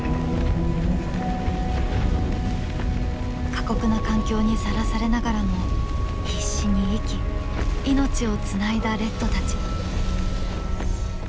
過酷な環境にさらされながらも必死に生き命をつないだレッドたち。